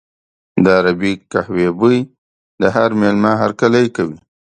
د عربي قهوې بوی د هر مېلمه هرکلی کوي.